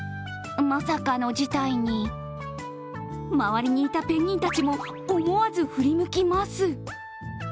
まさかの事態に、周りにいたペンギンたちも思わず振り向きます。